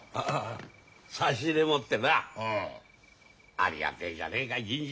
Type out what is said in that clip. ありがてえじゃねえか銀次。